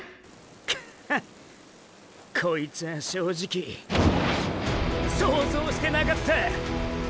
クハッこいつは正直想像してなかった！